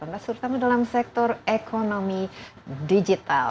terutama dalam sektor ekonomi digital